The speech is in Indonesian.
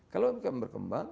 kalau umkm berkembang